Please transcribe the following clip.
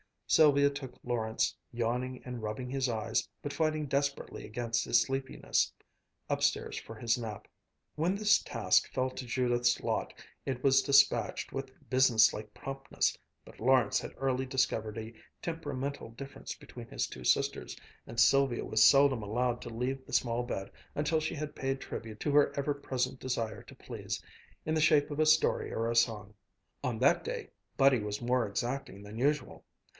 Sylvia took Lawrence, yawning and rubbing his eyes, but fighting desperately against his sleepiness, upstairs for his nap. When this task fell to Judith's lot it was despatched with business like promptness, but Lawrence had early discovered a temperamental difference between his two sisters, and Sylvia was seldom allowed to leave the small bed until she had paid tribute to her ever present desire to please, in the shape of a story or a song. On that day Buddy was more exacting than usual.